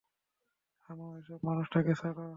থামাও এসব, মানুষটাকে ছাড়ো!